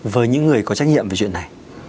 với những người có trách nhiệm về chuyện này